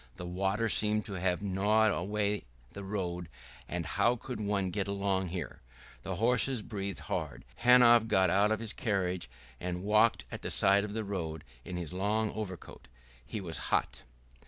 The water seemed to have gnawed away the road; and how could one get along here! The horses breathed hard. Hanov got out of his carriage and walked at the side of the road in his long overcoat. He was hot.